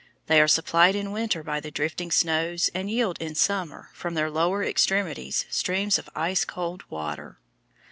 They are supplied in winter by the drifting snows, and yield in summer, from their lower extremities, streams of ice cold water.